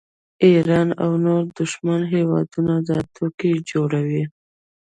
ایران او نور دښمن هیوادونه دا ټوکې جوړوي